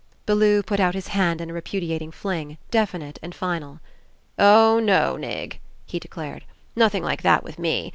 Bellew put out his hand in a repudiat ing fling, definite and final. "Oh, no. Nig," he declared, "nothing like that with me.